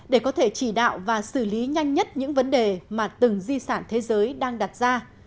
để có thể chỉ đạo và xử lý nhanh nhất những vấn đề mà từng di sản thế giới đang đặt ra